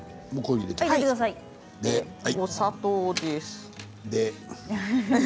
お砂糖です。